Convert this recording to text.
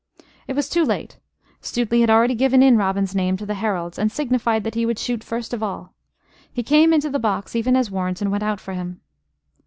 It was too late. Stuteley had already given in Robin's name to the heralds, and signified that he would shoot first of all. He came into the box even as Warrenton went out for him.